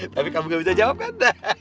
tapi kamu gak bisa jawab kan